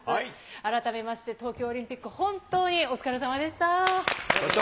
改めまして東京オリンピック、本当にお疲れさまでした。